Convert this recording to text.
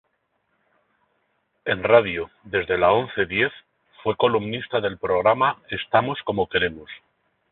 En radio, desde La Once Diez, fue columnista del programa "Estamos como queremos".